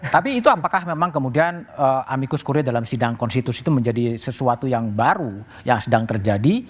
tapi itu apakah memang kemudian amicus kurir dalam sidang konstitusi itu menjadi sesuatu yang baru yang sedang terjadi